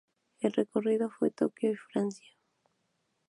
El recorrido fue de Tokio y Francia.